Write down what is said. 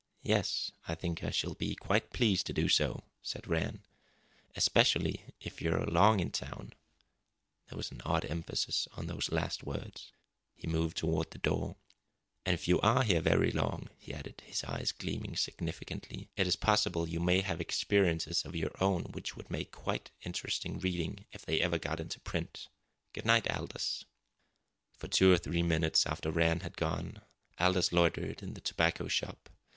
"Yes, I think I shall be quite pleased to do so," said Rann. "Especially if you are long in town." There was an odd emphasis on those last words. He moved toward the door. "And if you are here very long," he added, his eyes gleaming significantly, "it is possible you may have experiences of your own which would make very interesting reading if they ever got into print. Good night, Aldous!" For two or three minutes after Rann had gone Aldous loitered in the tobacco shop.